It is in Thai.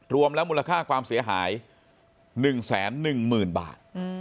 รวมแล้วมูลค่าความเสียหาย๑๑๐๐๐บาท